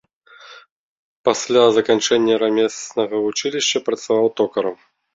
Пасля заканчэння рамеснага вучылішча працаваў токарам.